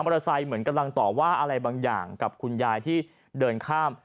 เหมือนกำลังต่อว่าอะไรบางอย่างกับคุณยายที่เดินข้าม